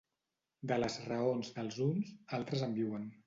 De les raons dels uns, altres en viuen.